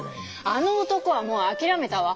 あの男はもう諦めたわ。